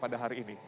pada hari ini